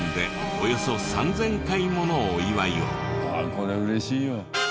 これは嬉しいよ。